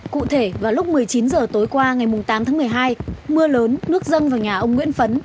cụ thể vào lúc một mươi chín h tối qua ngày tám tháng một mươi hai mưa lớn nước dâng vào nhà ông nguyễn phấn